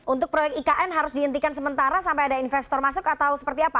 untuk proyek ikn harus dihentikan sementara sampai ada investor masuk atau seperti apa